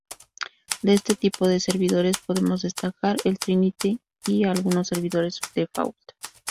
De este tipo de servidores, podemos destacar el Trinity, y algunos servidores Default.